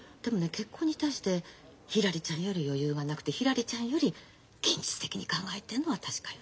結婚に対してひらりちゃんより余裕がなくてひらりちゃんより現実的に考えてんのは確かよね。